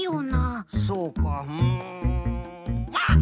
そうかうん。あっ！